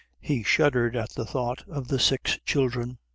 He shuddered at the thought of the six children.